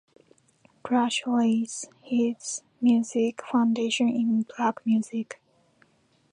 Crush lays his music foundation in black music.